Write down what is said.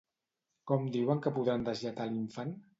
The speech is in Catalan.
Com diuen que podran deslletar a l'infant?